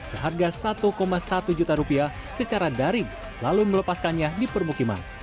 seharga satu satu juta rupiah secara daring lalu melepaskannya di permukiman